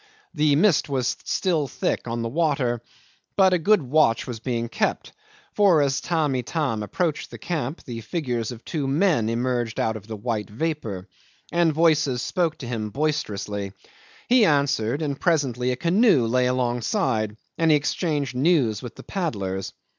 The mist was still thick on the water, but a good watch was being kept, for as Iamb' Itam approached the camp the figures of two men emerged out of the white vapour, and voices spoke to him boisterously. He answered, and presently a canoe lay alongside, and he exchanged news with the paddlers.